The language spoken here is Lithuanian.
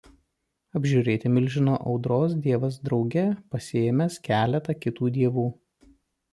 Apžiūrėti milžino audros dievas drauge pasiėmęs keletą kitų dievų.